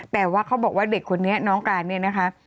แต่ว่าเขาบอกว่าเด็กคนนี้น้องการเนี่ยนะคะ